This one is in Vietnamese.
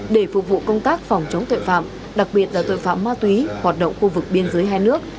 để phục vụ công tác phòng chống tội phạm đặc biệt là tội phạm ma túy hoạt động khu vực biên giới hai nước